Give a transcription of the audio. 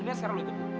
inilah sekarang lu itu